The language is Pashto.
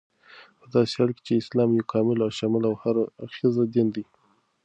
پداسي حال كې چې اسلام يو كامل، شامل او هر اړخيز دين دى